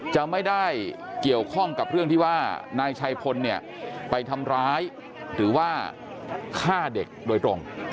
จะไม่ได้เกี่ยวข้องกับเรื่องที่ว่านายชัยพลเนี่ยไปทำร้ายหรือว่าฆ่าเด็กโดยตรง